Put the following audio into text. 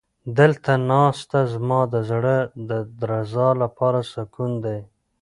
دلته ناسته زما د زړه د درزا لپاره سکون دی.